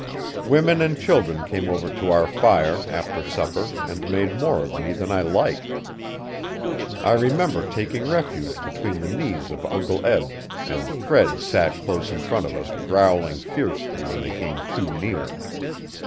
Women and children came over to our fire, after supper, and made more of me than I liked. I remember taking refuge between the knees of Uncle Eb, and Fred sat close in front of us growling fiercely when they came too near.